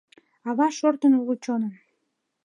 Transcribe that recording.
Ава шортын уло чонын...